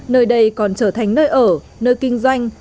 nơi đây còn trở thành nơi ở nơi kinh doanh